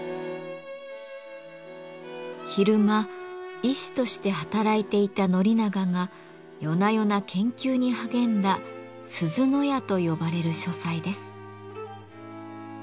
昼間医師として働いていた宣長が夜な夜な研究に励んだ「鈴屋」と呼ばれる書斎です。